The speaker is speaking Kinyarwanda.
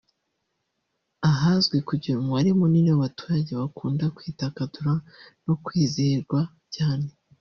ahazwi kugira umubare munini w’abaturage bakunda kwidagadura no kwizihirwa cyane